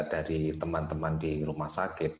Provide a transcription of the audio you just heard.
dari teman teman di rumah sakit